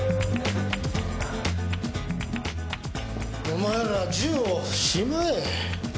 お前ら銃をしまえ。